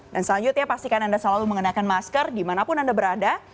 dan selanjutnya pastikan anda selalu mengenakan masker dimanapun anda berada